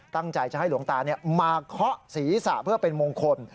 ตั้งใจจะให้หลวงตามาเคาะศีรษะเพื่อเป็นมงคล